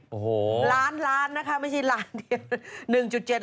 โอ้โหล้านล้านนะคะไม่ใช่ล้านเดียว